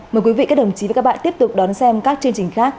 mời quý vị các đồng chí và các bạn tiếp tục đón xem các chương trình khác